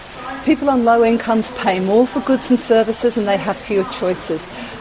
orang orang yang berpengaruh rendah membayar lebih banyak untuk barang dan perusahaan dan mereka memiliki keputusan yang lebih kurang